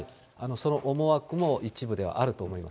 その思惑も一部ではあると思います。